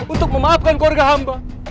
untuk memaafkan keluarga hamba